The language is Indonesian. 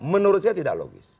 menurut saya tidak logis